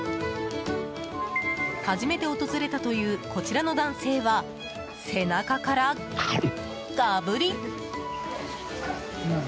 初めて訪れたというこちらの男性は背中からガブリ！